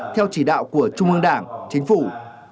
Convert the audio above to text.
theo chỉ đạo của trung ương đảng chính phủ